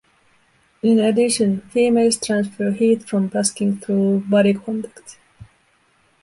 In addition, females transfer heat from basking through body contact.